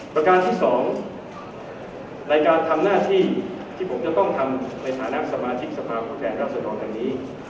ประการที่สองรายการทำหน้าที่ที่ผมจะต้องทำในภาระสมาชิกสงครรภ์กีศแฟนศาลขออนุนิ